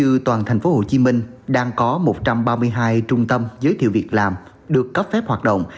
nếu như toàn thành phố hồ chí minh đang có một trăm ba mươi hai trung tâm giới thiệu việc làm được cấp phép hoạt động